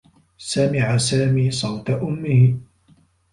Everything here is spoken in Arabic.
سمع سامي صوت أمّه.